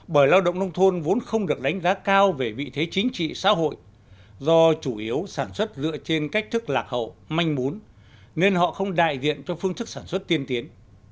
bởi lao động nông thôn vốn không được đánh giá cao về vị thế chính trị xã hội do chủ yếu sản xuất dựa trên cách thức lạc hậu manh mún nên họ không đại diện cho phương thức sản xuất tiên tiến